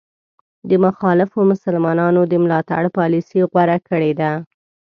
د مخالفو مسلمانانو د ملاتړ پالیسي غوره کړې ده.